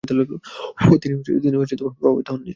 তিনি প্রভাবিত হননি।